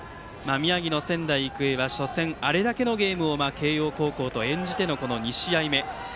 宮城の仙台育英は初戦にあれだけのゲームを慶応高校と演じての２試合目。